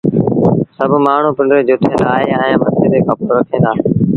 سڀ مآڻهوٚٚݩ پنڊريٚݩ جُتيٚن لآهي ائيٚݩ مٿي تي ڪپڙو رکين دآ